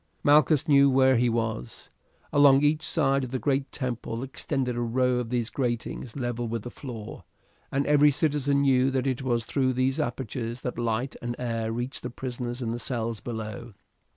Malchus knew where he was. Along each side of the great temple extended a row of these gratings level with the floor, and every citizen knew that it was through these apertures that light and air reached the prisoners in the cells below.